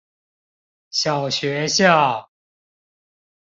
小學校